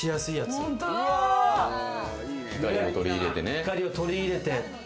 光を取り入れてね。